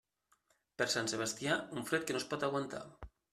Per Sant Sebastià, un fred que no es pot aguantar.